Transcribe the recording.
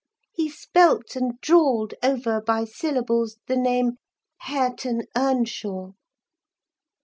"He spelt, and drawled over by syllables, the name—'Hareton Earnshaw.